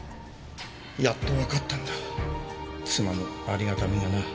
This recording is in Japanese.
やっとわかったんだ妻のありがたみがな。